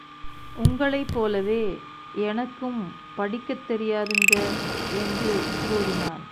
உங்களைப் போலவே எனக்கும் படிக்கத் தெரியாதுங்க என்று கூறினான்.